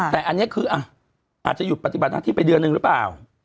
แต่อันนี้คืออาจจะหยุดปฏิบัติหน้าที่ไปเดือนหนึ่งหรือเปล่า